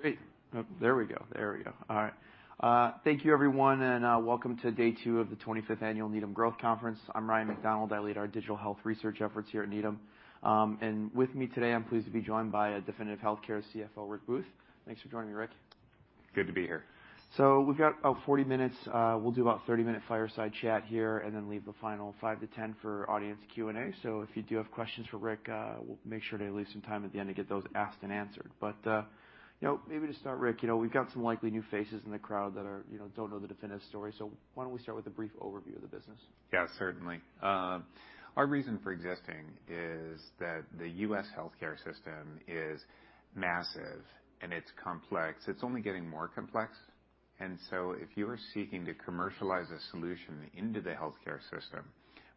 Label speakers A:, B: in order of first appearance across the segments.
A: Great. Oh, there we go. There we go. All right. Thank you everyone. Welcome to day two of the 25th Annual Needham Growth Conference. I'm Ryan MacDonald. I lead our digital health research efforts here at Needham. With me today, I'm pleased to be joined by Definitive Healthcare CFO, Rick Booth. Thanks for joining me, Rick.
B: Good to be here.
A: We've got about 40 minutes. We'll do about 30-minute fireside chat here and then leave the final 5-10 minutes for audience Q&A. If you do have questions for Rick, we'll make sure to leave some time at the end to get those asked and answered. You know, maybe to start, Rick, you know, we've got some likely new faces in the crowd that are, you know, don't know the Definitive story. Why don't we start with a brief overview of the business?
B: Yeah, certainly. Our reason for existing is that the U.S. healthcare system is massive and it's complex. It's only getting more complex. If you are seeking to commercialize a solution into the healthcare system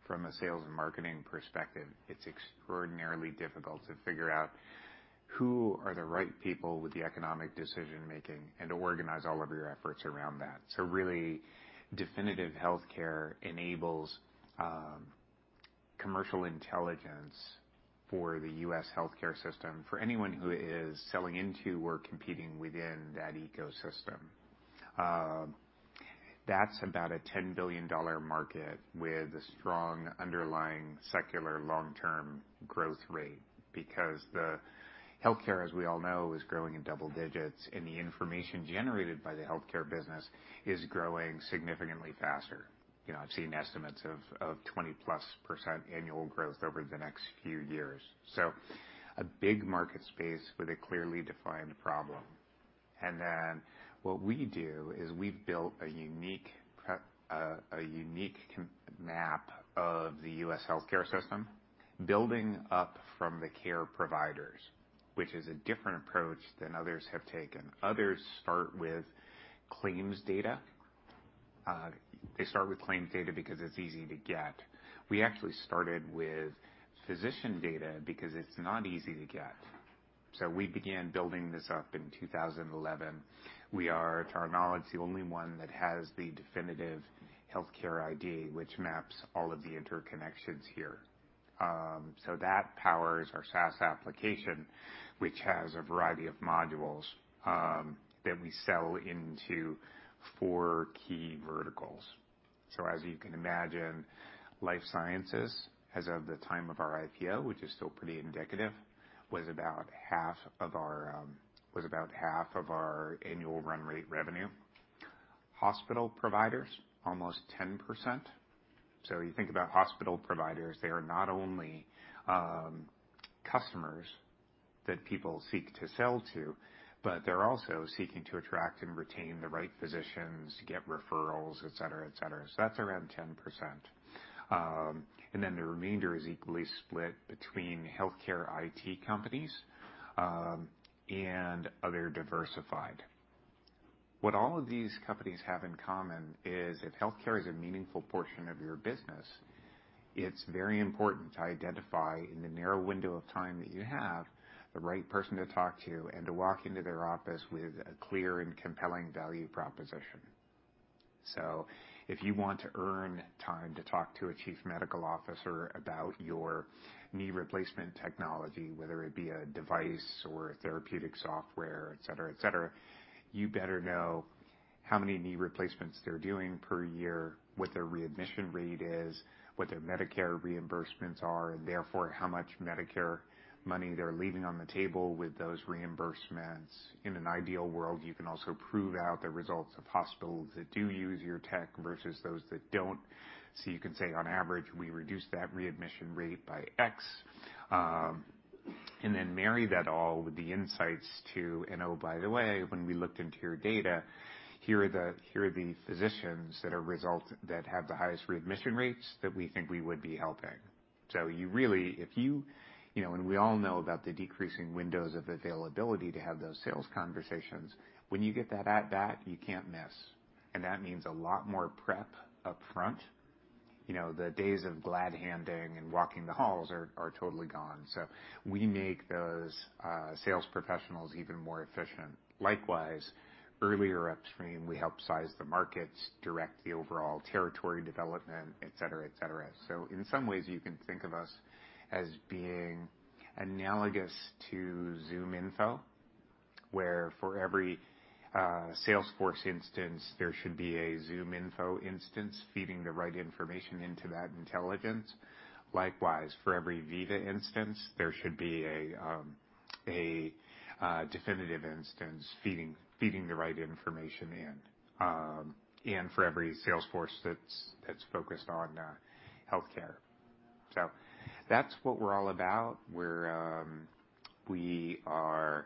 B: from a sales and marketing perspective, it's extraordinarily difficult to figure out who are the right people with the economic decision-making and to organize all of your efforts around that. Definitive Healthcare enables commercial intelligence for the U.S. healthcare system for anyone who is selling into or competing within that ecosystem. That's about a $10 billion market with a strong underlying secular long-term growth rate because the healthcare, as we all know, is growing in double digits, and the information generated by the healthcare business is growing significantly faster. You know, I've seen estimates of 20%+ annual growth over the next few years. A big market space with a clearly defined problem. Then what we do is we've built a unique map of the U.S. healthcare system building up from the care providers, which is a different approach than others have taken. Others start with claims data. They start with claims data because it's easy to get. We actually started with physician data because it's not easy to get. We began building this up in 2011. We are, to our knowledge, the only one that has the Definitive Healthcare ID, which maps all of the interconnections here. That powers our SaaS application, which has a variety of modules that we sell into four key verticals. As you can imagine, life sciences as of the time of our IPO, which is still pretty indicative, was about half of our annual run rate revenue. Hospital providers, almost 10%. You think about hospital providers, they are not only customers that people seek to sell to, but they're also seeking to attract and retain the right physicians to get referrals, et cetera, et cetera. That's around 10%. Then the remainder is equally split between healthcare IT companies and other diversified. What all of these companies have in common is if healthcare is a meaningful portion of your business, it's very important to identify in the narrow window of time that you have, the right person to talk to and to walk into their office with a clear and compelling value proposition. If you want to earn time to talk to a chief medical officer about your knee replacement technology, whether it be a device or a therapeutic software, et cetera, et cetera, you better know how many knee replacements they're doing per year, what their readmission rate is, what their Medicare reimbursements are, and therefore how much Medicare money they're leaving on the table with those reimbursements. In an ideal world, you can also prove out the results of hospitals that do use your tech versus those that don't. You can say on average, we reduce that readmission rate by X, and then marry that all with the insights to, and oh, by the way, when we looked into your data, here are the physicians that have the highest readmission rates that we think we would be helping. You know, and we all know about the decreasing windows of availability to have those sales conversations. When you get that at bat, you can't miss, and that means a lot more prep upfront. You know, the days of glad-handing and walking the halls are totally gone. We make those sales professionals even more efficient. Likewise, earlier upstream, we help size the markets, direct the overall territory development, et cetera, et cetera. In some ways you can think of us as being analogous to ZoomInfo, where for every Salesforce instance, there should be a ZoomInfo instance feeding the right information into that intelligence. Likewise, for every Veeva instance, there should be a Definitive instance feeding the right information in, and for every Salesforce that's focused on healthcare. That's what we're all about. We're, we are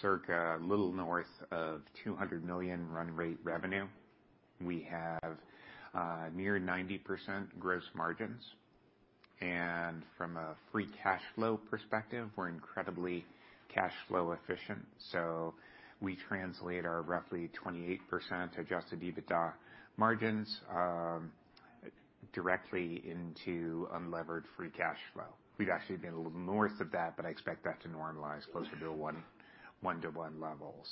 B: circa little north of $200 million run rate revenue. We have near 90% gross margins. From a free cash flow perspective, we're incredibly cash flow efficient. We translate our roughly 28% adjusted EBITDA margins directly into unlevered free cash flow. We've actually been a little north of that, but I expect that to normalize closer to a 1:1 level.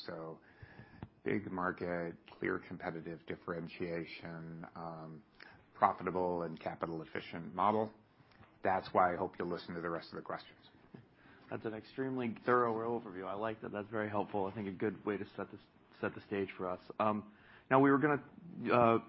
B: Big market, clear competitive differentiation, profitable and capital efficient model. That's why I hope you'll listen to the rest of the questions.
A: That's an extremely thorough overview. I like that. That's very helpful. I think a good way to set the stage for us. Now we were gonna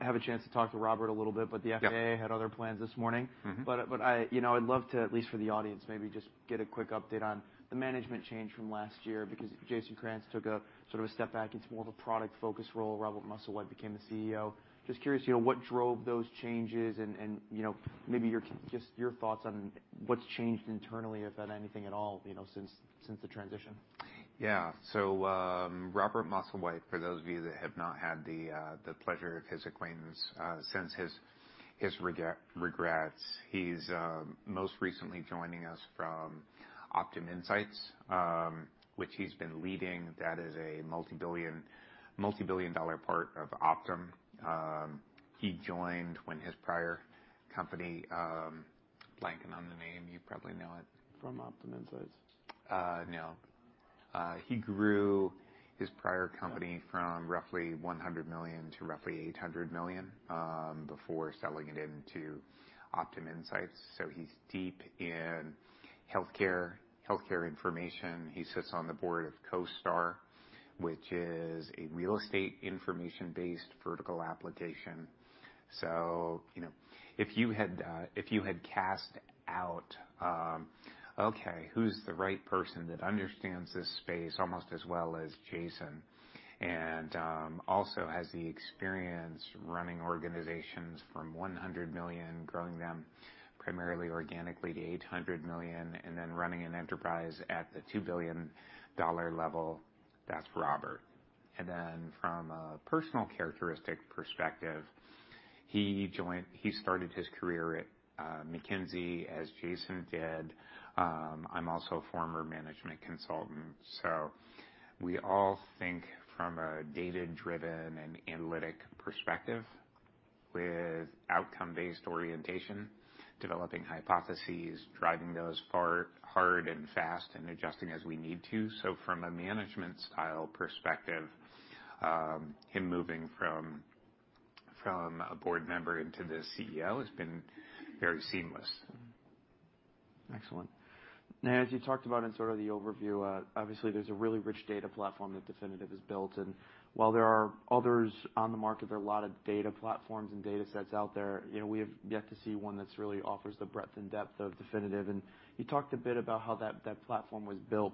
A: have a chance to talk to Robert a little bit. The FDA had other plans this morning.
B: Mm-hmm.
A: You know, I'd love to, at least for the audience, maybe just get a quick update on the management change from last year, because Jason Krantz took a sort of a step back into more of a product-focused role. Robert Musslewhite became the CEO. Just curious, you know, what drove those changes and, you know, maybe just your thoughts on what's changed internally, if anything at all, you know, since the transition?
B: Yeah. Robert Musslewhite, for those of you that have not had the pleasure of his acquaintance, since his regrets. He's most recently joining us from Optum Insight, which he's been leading. That is a multibillion-dollar part of Optum. He joined when his prior company. Blanking on the name. You probably know it.
A: From Optum Insight.
B: No. He grew his prior company from roughly $100 million to roughly $800 million before selling it into Optum Insight. He's deep in healthcare information. He sits on the board of CoStar, which is a real estate information-based vertical application. You know, if you had cast out, okay, who's the right person that understands this space almost as well as Jason, and also has the experience running organizations from $100 million, growing them primarily organically to $800 million, and then running an enterprise at the $2 billion dollar level, that's Robert. From a personal characteristic perspective, he started his career at McKinsey, as Jason did. I'm also a former management consultant. We all think from a data-driven and analytic perspective with outcome-based orientation, developing hypotheses, driving those far, hard and fast and adjusting as we need to. From a management style perspective, him moving from a board member into the CEO has been very seamless.
A: Excellent. Now, as you talked about in sort of the overview, obviously there's a really rich data platform that Definitive has built. While there are others on the market, there are a lot of data platforms and data sets out there. You know, we have yet to see one that's really offers the breadth and depth of Definitive. You talked a bit about how that platform was built.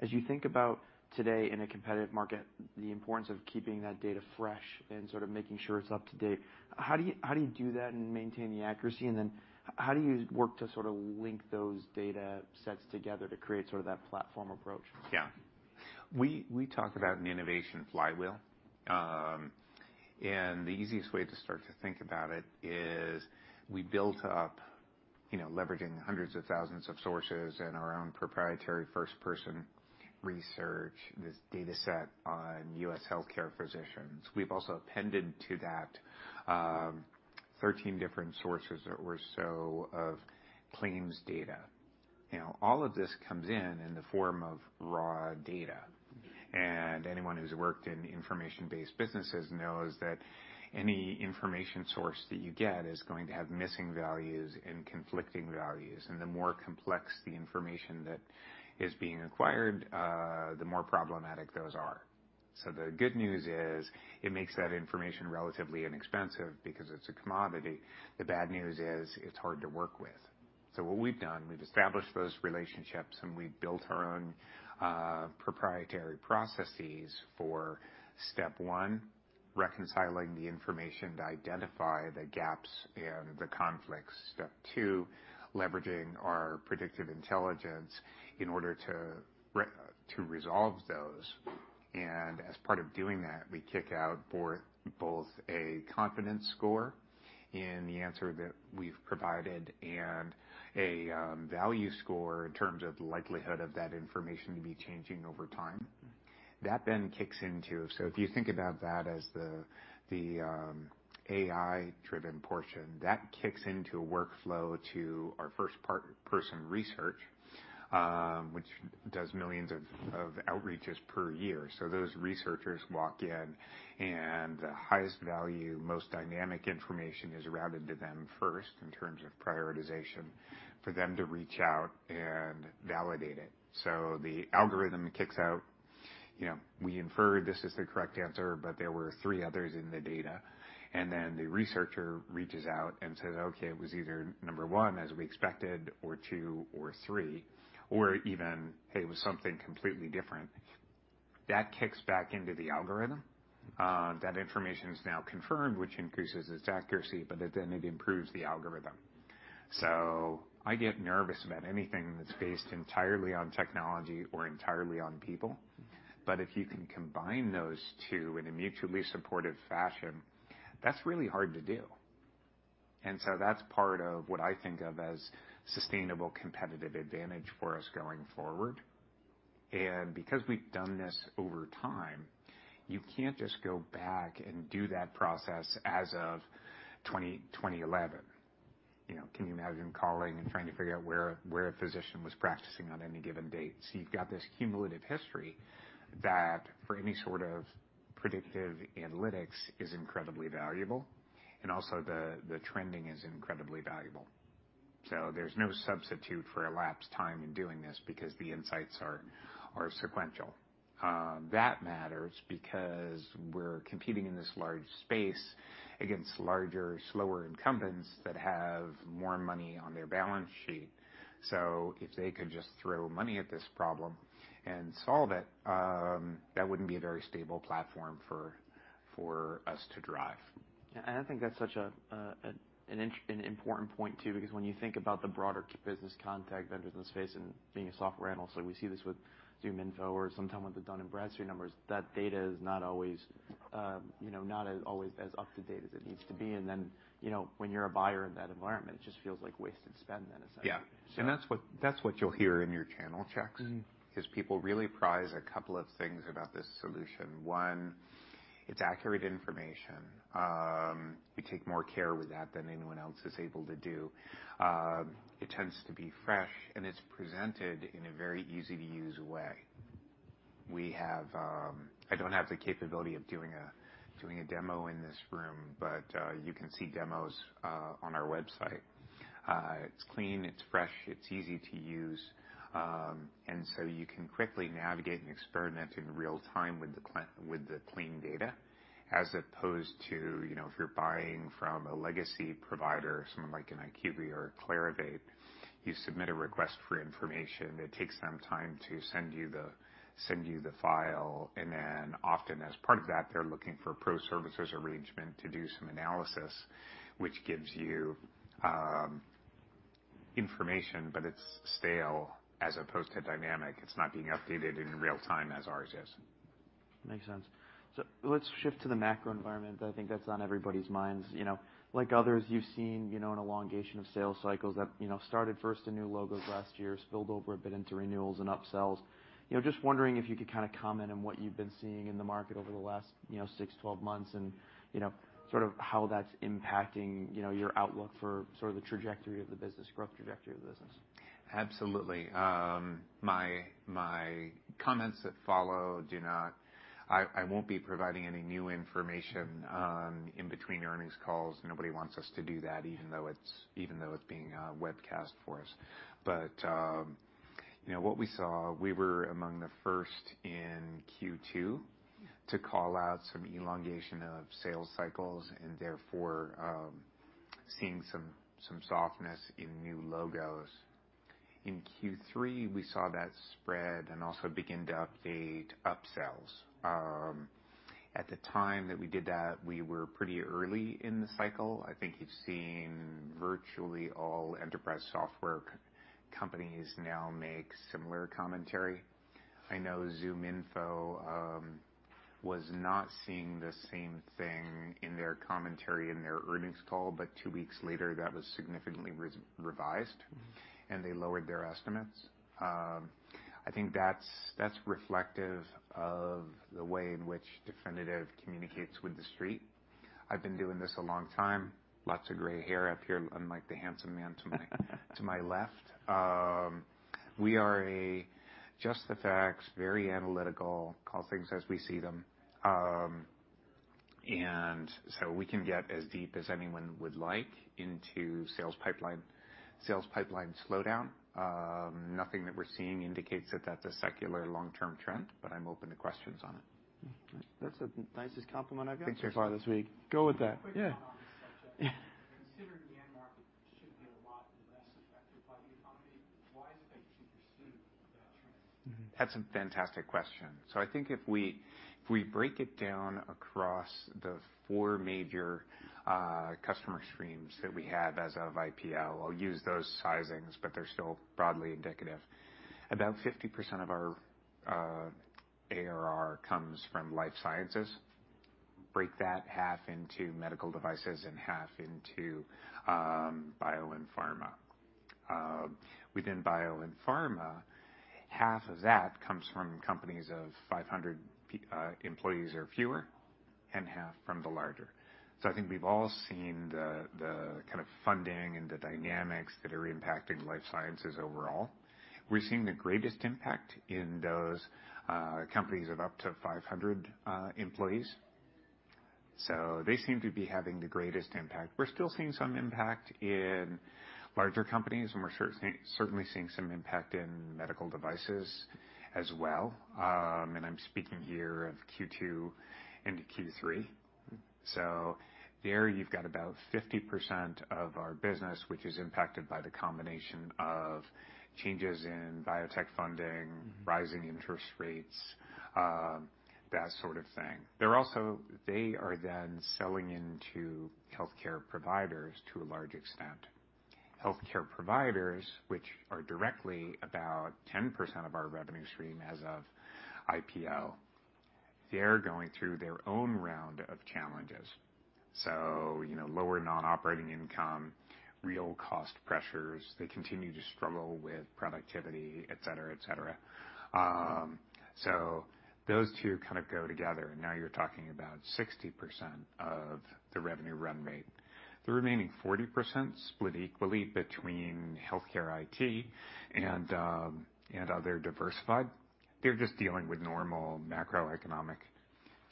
A: As you think about today in a competitive market, the importance of keeping that data fresh and sort of making sure it's up to date, how do you do that and maintain the accuracy? Then how do you work to sort of link those data sets together to create sort of that platform approach?
B: Yeah. We talk about an innovation flywheel. The easiest way to start to think about it is we built up, you know, leveraging hundreds of thousands of sources and our own proprietary first-person research, this data set on U.S. healthcare physicians. We've also appended to that, 13 different sources or so of claims data. You know, all of this comes in the form of raw data. Anyone who's worked in information-based businesses knows that any information source that you get is going to have missing values and conflicting values. The more complex the information that is being acquired, the more problematic those are. The good news is it makes that information relatively inexpensive because it's a commodity. The bad news is it's hard to work with. What we've done, we've established those relationships, and we've built our own proprietary processes for, step one, reconciling the information to identify the gaps and the conflicts. Step two, leveraging our predictive intelligence in order to resolve those. As part of doing that, we kick out both a confidence score in the answer that we've provided and a value score in terms of the likelihood of that information to be changing over time. That then kicks into... if you think about that as the AI-driven portion, that kicks into a workflow to our first-person research, which does millions of outreaches per year. Those researchers walk in and the highest value, most dynamic information is routed to them first in terms of prioritization for them to reach out and validate it. The algorithm kicks out. You know, we infer this is the correct answer, but there were three others in the data. The researcher reaches out and says, "Okay, it was either number one as we expected or two or three," or even, "It was something completely different." That kicks back into the algorithm. That information is now confirmed, which increases its accuracy, but it then it improves the algorithm. I get nervous about anything that's based entirely on technology or entirely on people. If you can combine those two in a mutually supportive fashion, that's really hard to do. That's part of what I think of as sustainable competitive advantage for us going forward. Because we've done this over time, you can't just go back and do that process as of 2011. You know, can you imagine calling and trying to figure out where a physician was practicing on any given date? You've got this cumulative history that for any sort of predictive analytics is incredibly valuable, and also the trending is incredibly valuable. There's no substitute for elapsed time in doing this because the insights are sequential. That matters because we're competing in this large space against larger, slower incumbents that have more money on their balance sheet. If they could just throw money at this problem and solve it, that wouldn't be a very stable platform for us to drive.
A: Yeah. I think that's such an important point too, because when you think about the broader business context under this space and being a software analyst, so we see this with ZoomInfo or sometimes with the Dun & Bradstreet numbers, that data is not always, you know, not as always as up-to-date as it needs to be. Then, you know, when you're a buyer in that environment, it just feels like wasted spend then, essentially.
B: Yeah. That's what you'll hear in your channel checks.
A: Mm-hmm.
B: 'Cause people really prize a couple of things about this solution. One, it's accurate information. We take more care with that than anyone else is able to do. It tends to be fresh, and it's presented in a very easy-to-use way. We have. I don't have the capability of doing a demo in this room, but you can see demos on our website. It's clean, it's fresh, it's easy to use. You can quickly navigate and experiment in real time with the clean data as opposed to, you know, if you're buying from a legacy provider, someone like an IQVIA or a Clarivate, you submit a request for information. It takes them time to send you the file, and then often as part of that, they're looking for a pro services arrangement to do some analysis, which gives you information, but it's stale as opposed to dynamic. It's not being updated in real time as ours is.
A: Makes sense. Let's shift to the macro environment. I think that's on everybody's minds. You know, like others, you've seen, you know, an elongation of sales cycles that, you know, started first in new logos last year, spilled over a bit into renewals and upsells. You know, just wondering if you could kinda comment on what you've been seeing in the market over the last, you know, 6, 12 months and, you know, sort of how that's impacting, you know, your outlook for sort of the trajectory of the business, growth trajectory of the business.
B: Absolutely. My comments that follow do not. I won't be providing any new information in between earnings calls. Nobody wants us to do that, even though it's being webcast for us. You know, what we saw, we were among the first in Q2 to call out some elongation of sales cycles and therefore, seeing some softness in new logos. In Q3, we saw that spread and also begin to update upsells. At the time that we did that, we were pretty early in the cycle. I think you've seen virtually all enterprise software companies now make similar commentary. I know ZoomInfo was not seeing the same thing in their commentary in their earnings call, but two weeks later, that was significantly revised.
A: Mm-hmm.
B: They lowered their estimates. I think that's reflective of the way in which Definitive communicates with the Street. I've been doing this a long time, lots of gray hair up here, unlike the handsome man to my left. We are a just the facts, very analytical, call things as we see them. We can get as deep as anyone would like into sales pipeline, sales pipeline slowdown. Nothing that we're seeing indicates that that's a secular long-term trend, but I'm open to questions on it.
A: That's the nicest compliment I've got, I think so far this week. Go with that. Yeah.
C: Considering the end market should be a lot less affected by the economy, why is it that you pursue that trend?
A: Mm-hmm.
B: That's a fantastic question. I think if we, if we break it down across the 4 major customer streams that we have as of IPO, I'll use those sizings, but they're still broadly indicative. About 50% of our ARR comes from life sciences. Break that half into medical devices and half into bio and pharma. Within bio and pharma, half of that comes from companies of 500 employees or fewer and half from the larger. I think we've all seen the kind of funding and the dynamics that are impacting life sciences overall. We're seeing the greatest impact in those companies of up to 500 employees. They seem to be having the greatest impact. We're still seeing some impact in larger companies, and we're certainly seeing some impact in medical devices as well. I'm speaking here of Q2 into Q3. There you've got about 50% of our business, which is impacted by the combination of changes in biotech funding, rising interest rates, that sort of thing. They are then selling into healthcare providers to a large extent. Healthcare providers, which are directly about 10% of our revenue stream as of IPO. They're going through their own round of challenges. You know, lower non-operating income, real cost pressures. They continue to struggle with productivity, et cetera, et cetera. Those two kind of go together. Now you're talking about 60% of the revenue run rate. The remaining 40% split equally between healthcare IT and other diversified. They're just dealing with normal macroeconomic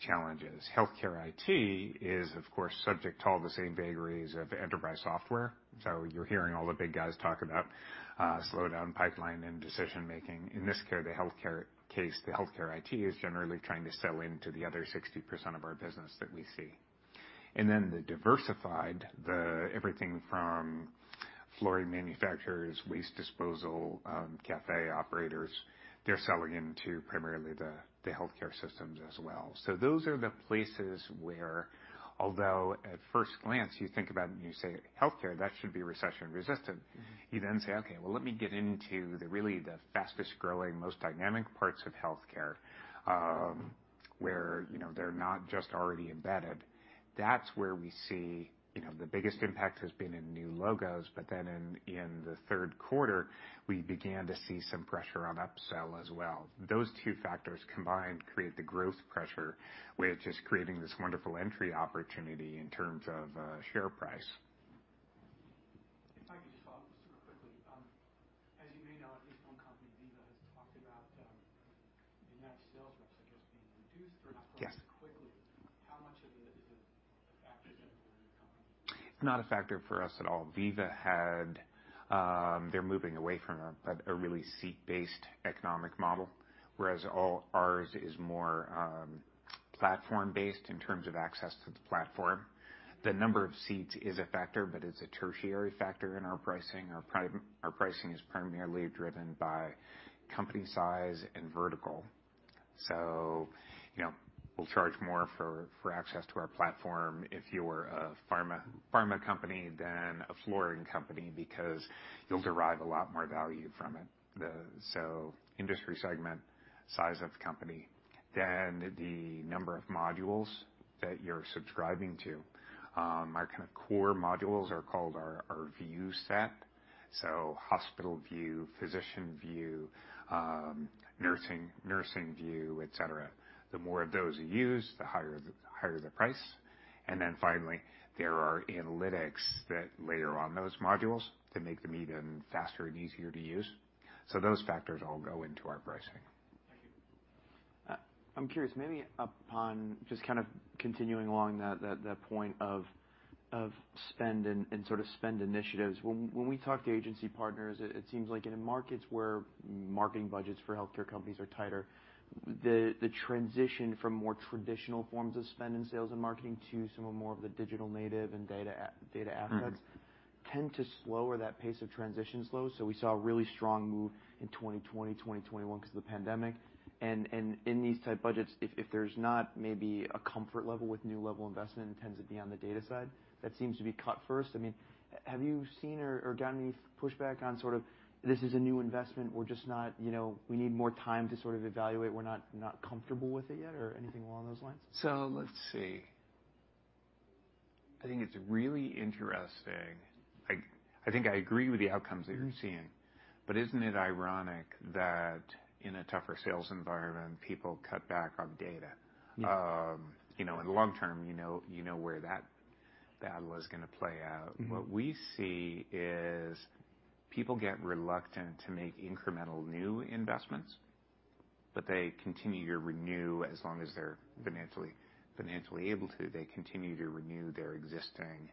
B: challenges. Healthcare IT is, of course, subject to all the same vagaries of enterprise software. You're hearing all the big guys talk about slowdown pipeline and decision-making. In this care, the healthcare case, the healthcare IT is generally trying to sell into the other 60% of our business that we see. Then the diversified, everything from flooring manufacturers, waste disposal, cafe operators, they're selling into primarily the healthcare systems as well. Those are the places where although at first glance, you think about it and you say, "Healthcare, that should be recession-resistant. You say, "Okay, well, let me get into the really, the fastest-growing, most dynamic parts of healthcare, where, you know, they're not just already embedded." That's where we see, you know, the biggest impact has been in new logos, in the third quarter, we began to see some pressure on upsell as well. Those two factors combined create the growth pressure, which is creating this wonderful entry opportunity in terms of share price.
C: If I could just follow up just real quickly. As you may know, at least one company, Veeva, has talked about the net sales reps, I guess, being reduced or not growing as quickly. How much of it is a factor then for your company?
B: Not a factor for us at all. Veeva had, they're moving away from a really seat-based economic model, whereas ours is more platform-based in terms of access to the platform. The number of seats is a factor, but it's a tertiary factor in our pricing. Our pricing is primarily driven by company size and vertical. You know, we'll charge more for access to our platform if you're a pharma company than a flooring company because you'll derive a lot more value from it. Industry segment, size of company, then the number of modules that you're subscribing to. Our kinda core modules are called our View Suite, so HospitalView, PhysicianView, nursing view, et cetera. The more of those you use, the higher the price. Finally, there are analytics that layer on those modules to make them even faster and easier to use. Those factors all go into our pricing.
C: Thank you.
A: I'm curious, maybe upon just kind of continuing along that point of spend and sort of spend initiatives. When we talk to agency partners, it seems like in the markets where marketing budgets for healthcare companies are tighter, the transition from more traditional forms of spend in sales and marketing to some of more of the digital native and data assets tend to slower that pace of transition slow. We saw a really strong move in 2020, 2021 'cause of the pandemic. In these tight budgets, if there's not maybe a comfort level with new level investment, it tends to be on the data side. That seems to be cut first. I mean, have you seen or gotten any pushback on sort of, this is a new investment, we're just not, you know, we need more time to sort of evaluate, we're not comfortable with it yet or anything along those lines?
B: Let's see. I think it's really interesting. I think I agree with the outcomes that you're seeing. Isn't it ironic that in a tougher sales environment, people cut back on data?
A: Yeah.
B: You know, in the long term, you know, you know where that battle is gonna play out.
A: Mm-hmm.
B: What we see is people get reluctant to make incremental new investments. They continue to renew as long as they're financially able to, they continue to renew their existing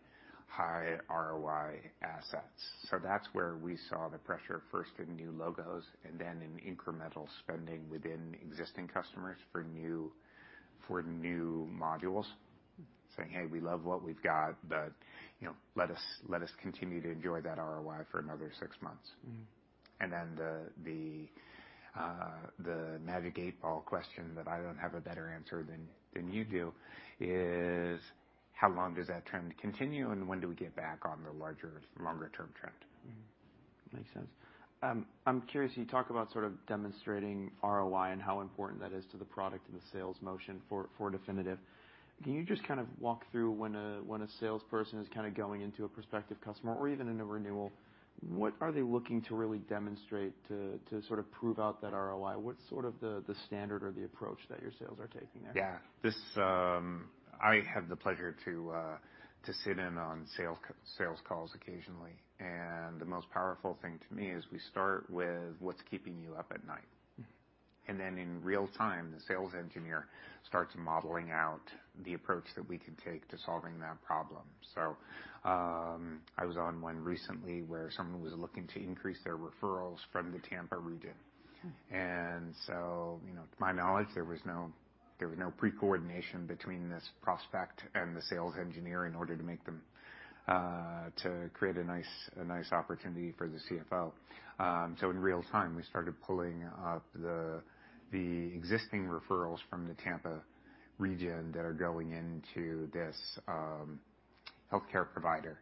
B: high ROI assets. That's where we saw the pressure first in new logos and then in incremental spending within existing customers for new modules. Saying, "Hey, we love what we've got, but, you know, let us continue to enjoy that ROI for another six months.
A: Mm-hmm.
B: The navigate ball question that I don't have a better answer than you do is: how long does that trend continue, and when do we get back on the larger, longer-term trend?
A: Makes sense. I'm curious, you talk about sort of demonstrating ROI and how important that is to the product and the sales motion for Definitive. Can you just kind of walk through when a salesperson is kinda going into a prospective customer or even in a renewal, what are they looking to really demonstrate to sort of prove out that ROI? What's sort of the standard or the approach that your sales are taking there?
B: Yeah. This, I have the pleasure to sit in on sales calls occasionally, and the most powerful thing to me is we start with what's keeping you up at night.
A: Mm-hmm.
B: In real time, the sales engineer starts modeling out the approach that we could take to solving that problem. I was on one recently where someone was looking to increase their referrals from the Tampa region.
A: Hmm.
B: You know, to my knowledge, there was no pre-coordination between this prospect and the sales engineer in order to make them, to create a nice opportunity for the CFO. In real time, we started pulling up the existing referrals from the Tampa region that are going into this healthcare provider.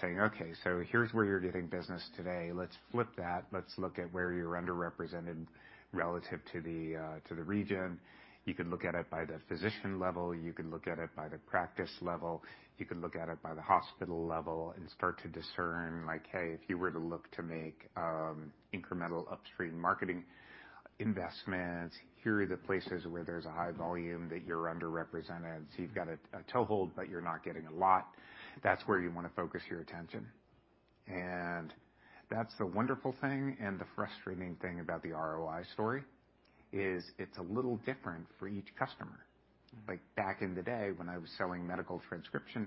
B: Saying, okay, so here's where you're getting business today, let's flip that. Let's look at where you're underrepresented relative to the region. You can look at it by the physician level, you can look at it by the practice level, you can look at it by the hospital level and start to discern like, hey, if you were to look to make incremental upstream marketing investments, here are the places where there's a high volume that you're underrepresented. You've got a toehold, but you're not getting a lot. That's where you wanna focus your attention. That's the wonderful thing, and the frustrating thing about the ROI story is it's a little different for each customer.
A: Mm.
B: Like back in the day when I was selling medical transcription,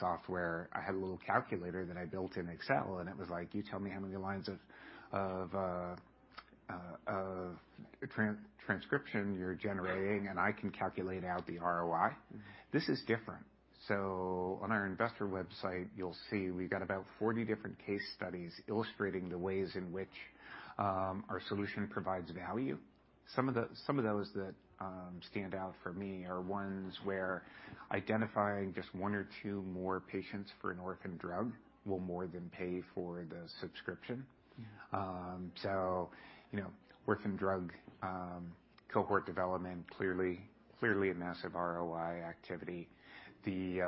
B: software, I had a little calculator that I built in Excel. It was like, you tell me how many lines of, transcription you're generating, I can calculate out the ROI.
A: Mm.
B: This is different. On our Investor website, you'll see we've got about 40 different case studies illustrating the ways in which our solution provides value. Some of those that stand out for me are ones where identifying just one or two more patients for an orphan drug will more than pay for the subscription.
A: Mm.
B: You know, orphan drug, cohort development, clearly a massive ROI activity. The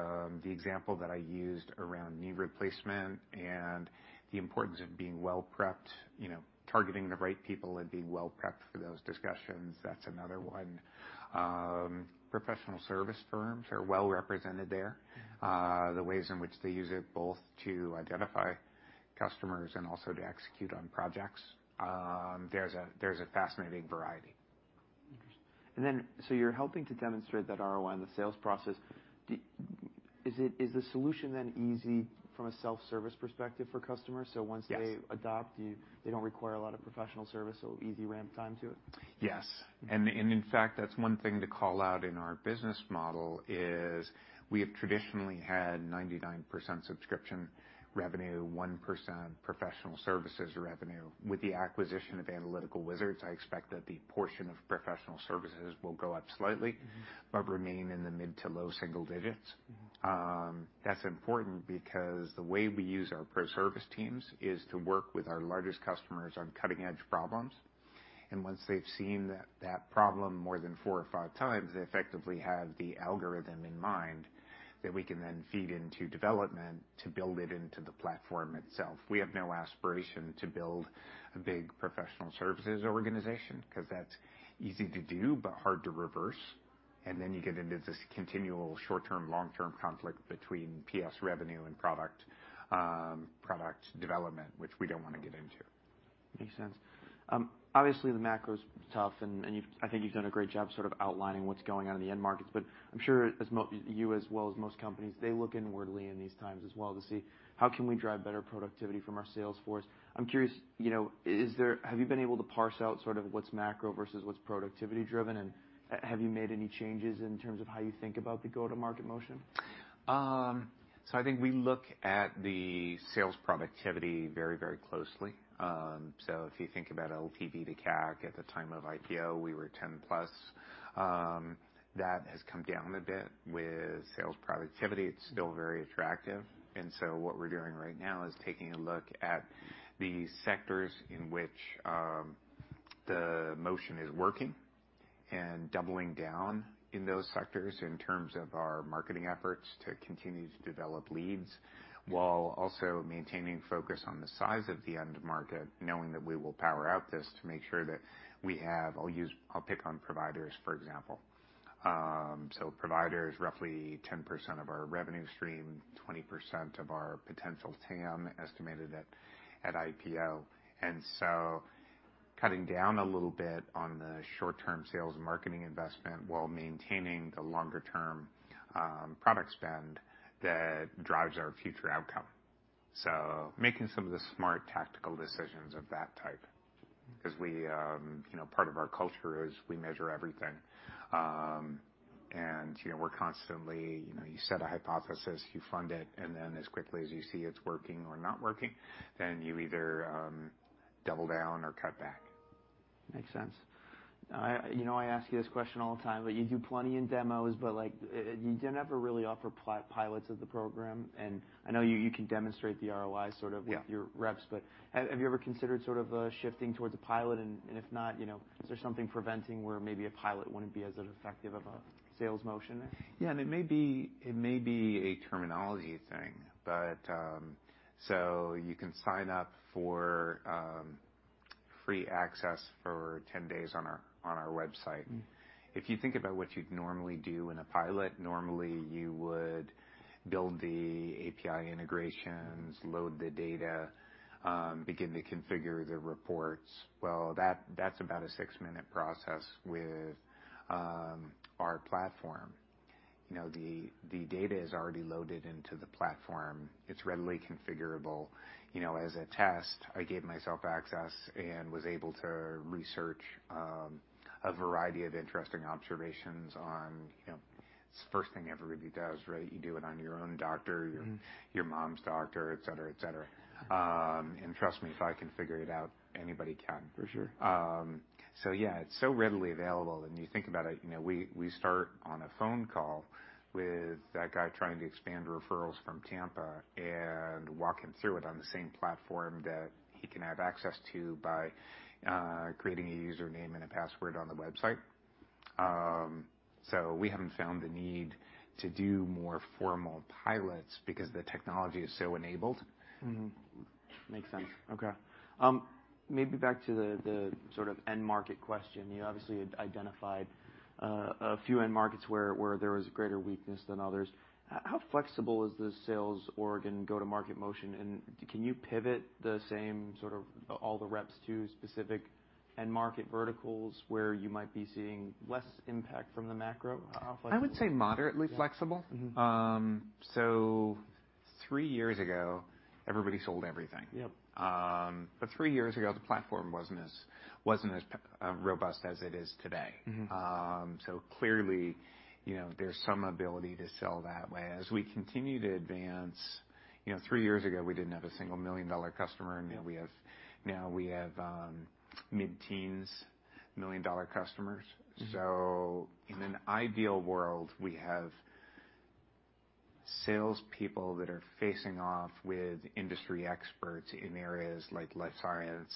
B: example that I used around knee replacement and the importance of being well-prepped, you know, targeting the right people and being well-prepped for those discussions, that's another one. Professional service firms are well-represented there.
A: Mm.
B: The ways in which they use it both to identify customers and also to execute on projects. There's a fascinating variety.
A: Interesting. You're helping to demonstrate that ROI in the sales process. Is it, is the solution then easy from a self-service perspective for customers? Once they adopt you, they don't require a lot of professional service or easy ramp time to it?
B: Yes. In fact, that's one thing to call out in our business model is we have traditionally had 99% subscription revenue, 1% professional services revenue. With the acquisition of Analytical Wizards, I expect that the portion of professional services will go up slightly.
A: Mm-hmm.
B: Remain in the mid to low single digits. That's important because the way we use our pro service teams is to work with our largest customers on cutting-edge problems. Once they've seen that problem more than 4 or 5 times, they effectively have the algorithm in mind that we can then feed into development to build it into the platform itself. We have no aspiration to build a big professional services organization 'cause that's easy to do, but hard to reverse. Then you get into this continual short-term, long-term conflict between PS revenue and product development, which we don't wanna get into.
A: Makes sense. You've I think you've done a great job sort of outlining what's going on in the end markets, I'm sure as you as well as most companies, they look inwardly in these times as well to see how can we drive better productivity from our sales force. I'm curious, you know, is there Have you been able to parse out sort of what's macro versus what's productivity driven? Have you made any changes in terms of how you think about the go-to-market motion?
B: I think we look at the sales productivity very, very closely. If you think about LTV to CAC, at the time of IPO, we were 10+. That has come down a bit with sales productivity. It's still very attractive. What we're doing right now is taking a look at the sectors in which the motion is working and doubling down in those sectors in terms of our marketing efforts to continue to develop leads, while also maintaining focus on the size of the end market, knowing that we will power out this to make sure that we have. I'll pick on providers, for example. Providers, roughly 10% of our revenue stream, 20% of our potential TAM estimated at IPO. Cutting down a little bit on the short-term sales and marketing investment while maintaining the longer-term product spend that drives our future outcome. Making some of the smart tactical decisions of that type.
A: Mm.
B: 'Cause we, you know, part of our culture is we measure everything. You know, we're constantly, you know, you set a hypothesis, you fund it and then as quickly as you see it's working or not working then you either double down or cut back.
A: Makes sense. I, you know I ask you this question all the time, but you do plenty in demos, but like, you don't ever really offer pilots of the program. I know you can demonstrate the ROI sort of with your reps. Have you ever considered sort of, shifting towards a pilot, and if not, you know, is there something preventing where maybe a pilot wouldn't be as effective of a sales motion there?
B: Yeah. It may be, it may be a terminology thing, but, so you can sign up for free access for 10 days on our website.
A: Mm.
B: If you think about what you'd normally do in a pilot, normally you would build the API integrations, load the data, begin to configure the reports. Well, that's about a 6-minute process with our platform. You know, the data is already loaded into the platform. It's readily configurable. You know, as a test, I gave myself access and was able to research a variety of interesting observations on, you know. It's the first thing everybody does, right? You do it on your own doctor.
A: Mm-hmm.
B: Your mom's doctor, et cetera, et cetera. Trust me, if I can figure it out, anybody can.
A: For sure.
B: Yeah, it's so readily available, and you think about it, you know, we start on a phone call with that guy trying to expand referrals from Tampa and walk him through it on the same platform that he can have access to by creating a username and a password on the website. We haven't found the need to do more formal pilots because the technology is so enabled.
A: Mm-hmm. Makes sense. Okay. Maybe back to the sort of end market question. You obviously had identified a few end markets where there was greater weakness than others. How flexible is the sales org and go-to-market motion, and can you pivot the same sort of all the reps to specific end market verticals where you might be seeing less impact from the macro? How flexible?
B: I would say moderately flexible.
A: Yeah. Mm-hmm.
B: 3 years ago, everybody sold everything.
A: Yep.
B: 3 years ago, the platform wasn't as robust as it is today.
A: Mm-hmm.
B: Clearly, you know, there's some ability to sell that way. As we continue to advance, you know, three years ago, we didn't have a single million-dollar customer.
A: Yeah.
B: Now we have mid-teens million-dollar customers.
A: Mm-hmm.
B: In an ideal world, we have salespeople that are facing off with industry experts in areas like life science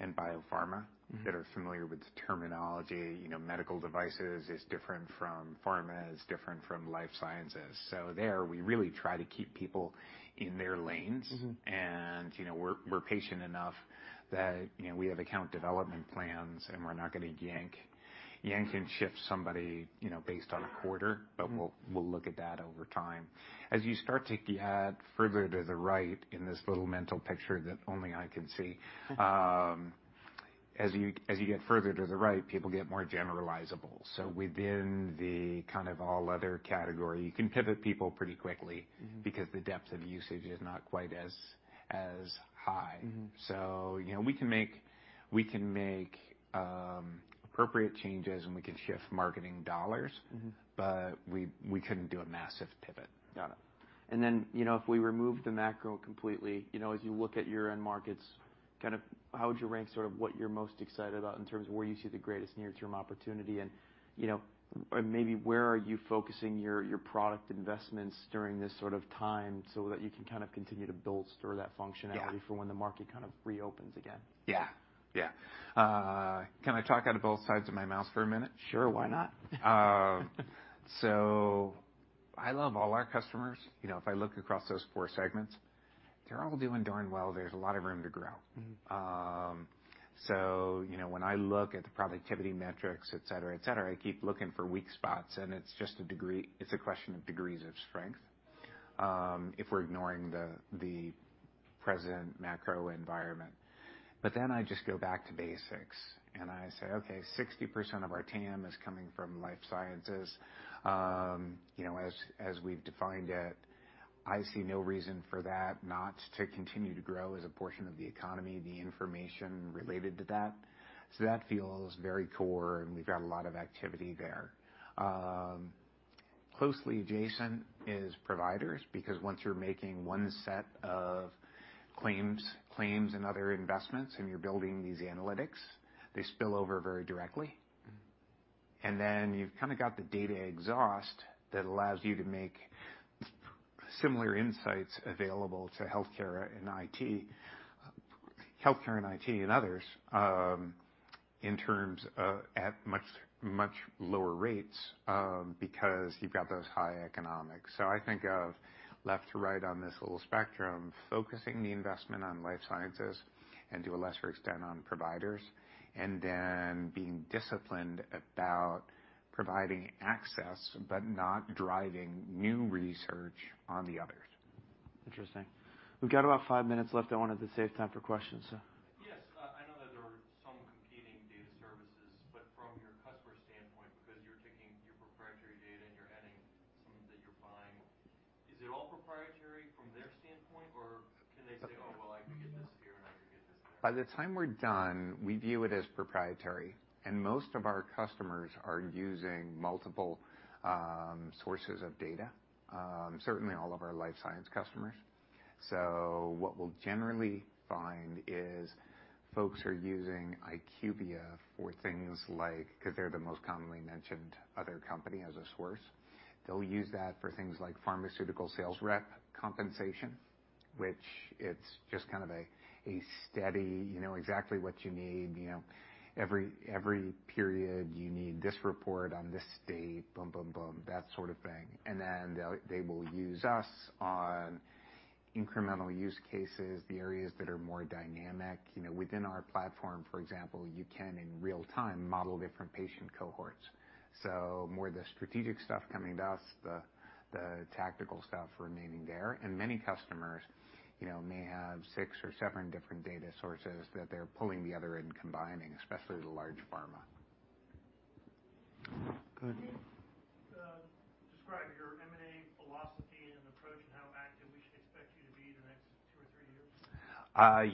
B: and biopharma that are familiar with the terminology. You know, medical devices is different from pharma, is different from life sciences. There, we really try to keep people in their lanes.
A: Mm-hmm.
B: You know, we're patient enough that, you know, we have account development plans, and we're not gonna yank and shift somebody, you know, based on a quarter.
A: Mm-hmm.
B: We'll look at that over time. As you start to add further to the right in this little mental picture that only I can see, as you get further to the right, people get more generalizable. Within the kind of all other category, you can pivot people pretty quickly.
A: Mm-hmm.
B: Because the depth of usage is not quite as high.
A: Mm-hmm.
B: You know, we can make appropriate changes, and we can shift marketing dollars.
A: Mm-hmm.
B: We couldn't do a massive pivot.
A: Then, you know, if we remove the macro completely, you know, as you look at your end markets, kind of how would you rank sort of what you're most excited about in terms of where you see the greatest near-term opportunity and, you know, and maybe where are you focusing your product investments during this sort of time so that you can kind of continue to bolster that functionality for when the market kind of reopens again?
B: Yeah. Yeah. Can I talk out of both sides of my mouth for a minute?
A: Sure. Why not?
B: I love all our customers. You know, if I look across those four segments, they're all doing darn well. There's a lot of room to grow.
A: Mm-hmm.
B: You know, when I look at the productivity metrics, et cetera, et cetera, I keep looking for weak spots, and it's just a degree. It's a question of degrees of strength if we're ignoring the present macro environment. I just go back to basics, and I say, "60% of our TAM is coming from life sciences." You know, as we've defined it, I see no reason for that not to continue to grow as a portion of the economy, the information related to that. That feels very core, and we've got a lot of activity there. Closely adjacent is providers, because once you're making one set of claims and other investments, and you're building these analytics, they spill over very directly.
A: Mm-hmm.
B: Then you've kinda got the data exhaust that allows you to make similar insights available to healthcare and IT, healthcare and IT and others, in terms of at much, much lower rates, because you've got those high economics. I think of left to right on this little spectrum, focusing the investment on life sciences and to a lesser extent on providers, and then being disciplined about providing access, but not driving new research on the others.
A: Interesting. We've got about five minutes left. I wanted to save time for questions, so.
C: Yes. I know that there are some competing data services, but from your customer standpoint, because you're taking your proprietary data and you're adding some that you're buying, is it all proprietary from their standpoint, or can they, well, I can get this here and I can get this there?
B: By the time we're done, we view it as proprietary, and most of our customers are using multiple sources of data, certainly all of our life science customers. What we'll generally find is folks are using IQVIA for things like, 'cause they're the most commonly mentioned other company as a source. They'll use that for things like pharmaceutical sales rep compensation, which it's just kind of a steady, you know exactly what you need. You know, every period you need this report on this date, boom, boom, that sort of thing. Then they'll, they will use us on incremental use cases, the areas that are more dynamic. You know, within our platform, for example, you can in real time model different patient cohorts. More the strategic stuff coming to us, the tactical stuff remaining there. Many customers, you know, may have six or seven different data sources that they're pulling together and combining, especially the large pharma.
C: Good. Can you describe your M&A philosophy?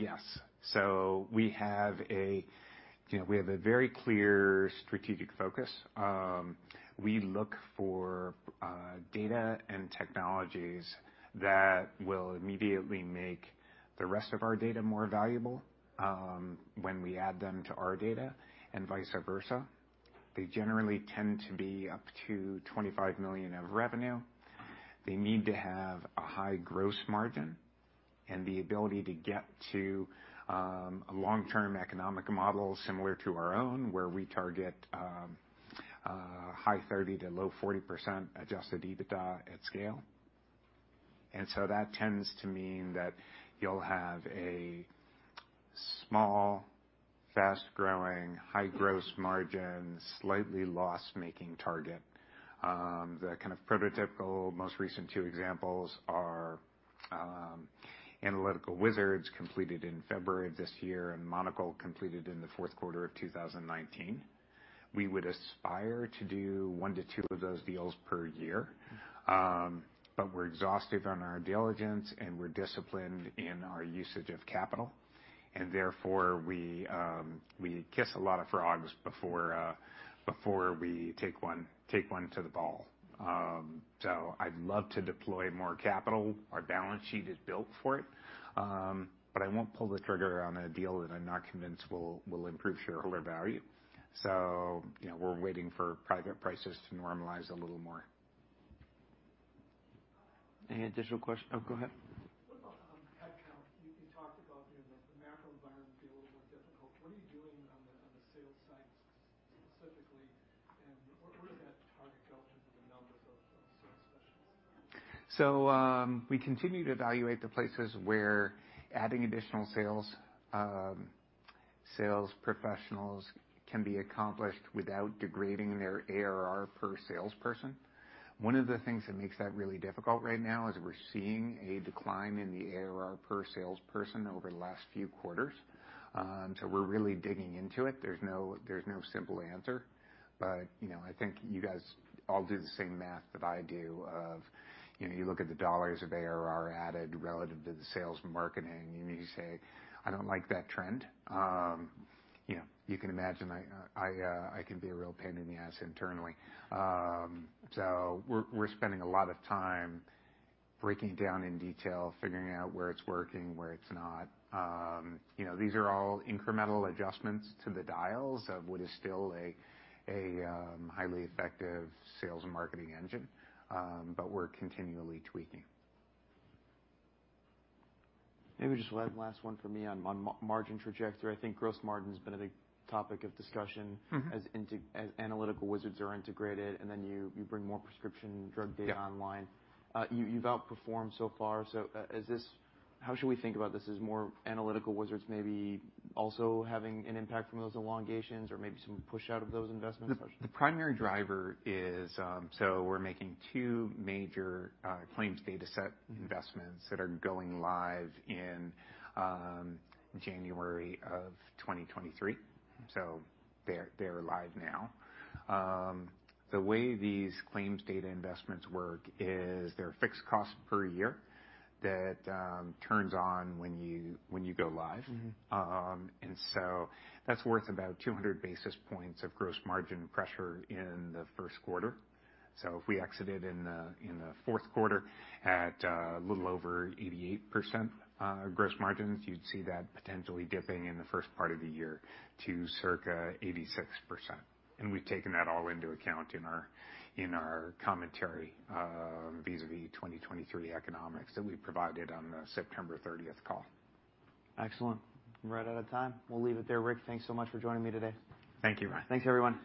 B: Yes. We have a, you know, very clear strategic focus. We look for data and technologies that will immediately make the rest of our data more valuable when we add them to our data and vice versa. They generally tend to be up to $25 million of revenue. They need to have a high gross margin and the ability to get to a long-term economic model similar to our own, where we target high 30% to low 40% adjusted EBITDA at scale. That tends to mean that you'll have a small, fast-growing, high gross margin, slightly loss-making target. The kind of prototypical most recent two examples are Analytical Wizards completed in February of this year and Monocl completed in the fourth quarter of 2019. We would aspire to do one to two of those deals per year. We're exhaustive on our diligence, and we're disciplined in our usage of capital, and therefore we kiss a lot of frogs before we take one to the ball. I'd love to deploy more capital. Our balance sheet is built for it, but I won't pull the trigger on a deal that I'm not convinced will improve shareholder value. You know, we're waiting for private prices to normalize a little more.
A: Any additional. Oh, go ahead.
C: What about head count? You talked about, you know, the macro environment being a little more difficult. What are you doing on the sales side specifically, and where does that target go in terms of the numbers of sales specialists?
B: We continue to evaluate the places where adding additional sales professionals can be accomplished without degrading their ARR per salesperson. One of the things that makes that really difficult right now is we're seeing a decline in the ARR per salesperson over the last few quarters. We're really digging into it. There's no, there's no simple answer. You know, I think you guys all do the same math that I do of, you know, you look at the dollars of ARR added relative to the sales and marketing, and you say, "I don't like that trend." You know, you can imagine I can be a real pain in the ass internally. We're spending a lot of time breaking it down in detail figuring out where it's working, where it's not. You know, these are all incremental adjustments to the dials of what is still a highly effective sales and marketing engine but we're continually tweaking.
A: Maybe just one last one from me on margin trajectory. I think gross margin's been a big topic of discussion.
B: Mm-hmm.
A: As Analytical Wizards are integrated, and then you bring more prescription drug data online. You've outperformed so far. How should we think about this as more Analytical Wizards maybe also having an impact from those elongations or maybe some push out of those investments?
B: The primary driver is, we're making two major claims data set investments that are going live in January of 2023. They're live now. The way these claims data investments work is they're a fixed cost per year that turns on when you go live.
A: Mm-hmm.
B: That's worth about 200 basis points of gross margin pressure in the first quarter. If we exited in the fourth quarter at a little over 88% gross margins, you'd see that potentially dipping in the first part of the year to circa 86%. We've taken that all into account in our commentary vis-à-vis 2023 economics that we provided on the September 30th call.
A: Excellent. We're right out of time. We'll leave it there. Rick, thanks so much for joining me today.
B: Thank you, Ryan.
A: Thanks, everyone.